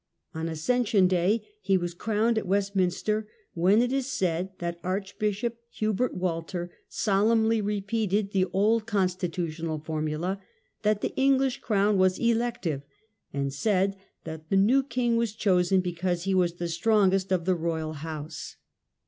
On Ascension Day he was crowned at Westminster, when it is said that Archbishop Hubert Walter solemnly repeated the old constitutional formula that the English crown was elective, and said that the new king was chosen because he was the strongest of the royal house.